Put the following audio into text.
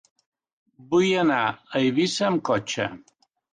Vull anar a Eivissa amb cotxe.